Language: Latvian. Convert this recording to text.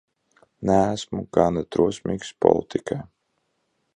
Neesmu gana drosmīgs politikai.